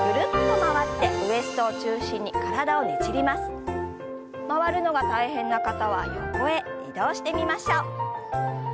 回るのが大変な方は横へ移動してみましょう。